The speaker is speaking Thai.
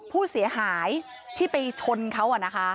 ผู้เสียหายที่ไปชนเขา